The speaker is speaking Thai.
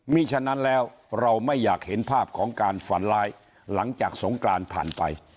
มีฉะนั้นแล้วเราไม่อยากเห็นภาพของการฝันร้ายหลังจากสงกรานผ่านไป